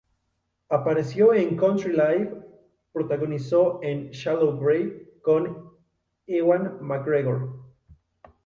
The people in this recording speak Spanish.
Apareció en "Country Life", protagonizó en "Shallow Grave" con Ewan McGregor.